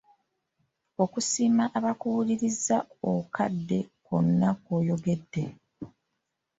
Okusiima abakuwuliriza okadde kwonna k'oyogedde.